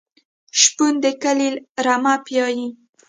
شپون د کلي رمه پیایي.